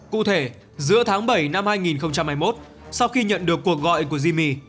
cụ thể giữa tháng bảy năm hai nghìn hai mươi một sau khi nhận được cuộc gọi của zimi